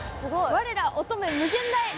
「我ら乙女、無限大」！